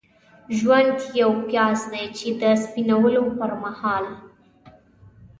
ژوند یو پیاز دی چې د سپینولو پرمهال.